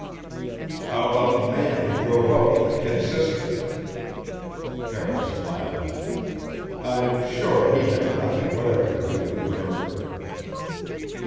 "How about the man who drove up with the kid sister?" Carroll smiled. "I'm sure he had nothing whatever to do with the murder."